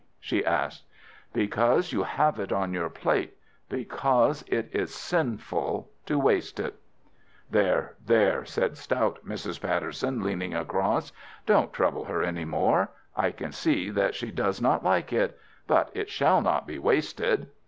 she asked. "Because you have it on your plate. Because it is sinful to waste it." "There! there!" said stout Mrs. Patterson, leaning across. "Don't trouble her any more. I can see that she does not like it. But it shall not be wasted."